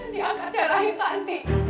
dia akan terahim tanti